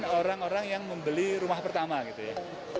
orang orang yang membeli rumah pertama gitu ya